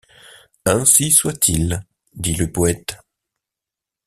Ainsi soit-il, dit le poëte.